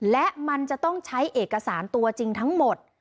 และมันจะต้องใช้เอกสารตัวจริงทั้งหมด